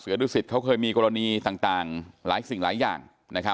ดูสิตเขาเคยมีกรณีต่างหลายสิ่งหลายอย่าง